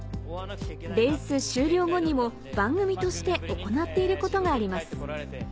レース終了後にも番組として行っていることがあります